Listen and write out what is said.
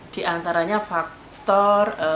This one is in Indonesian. di antaranya faktor